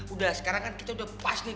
udah sekarang kan kita udah pas nih